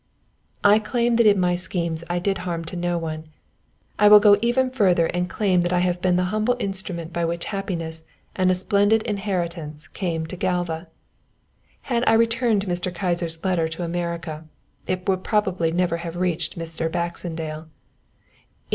I claim that in my schemes I did harm to no one; I will even go further and claim that I have been the humble instrument by which happiness and a splendid inheritance came to Galva. Had I returned Mr. Kyser's letter to America, it would probably never have reached Mr. Baxendale.